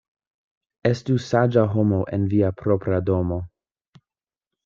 Estu saĝa homo en via propra domo.